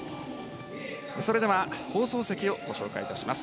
それでは放送席をご紹介します。